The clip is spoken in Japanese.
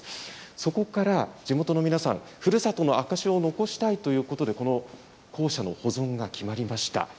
そこから地元の皆さん、ふるさとの証しを残したいということで、この校舎の保存が決まりました。